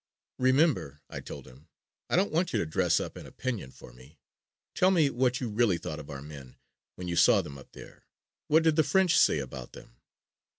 "Remember," I told him, "I don't want you to dress up an opinion for me. Tell me what you really thought of our men when you saw them up there. What did the French say about them?"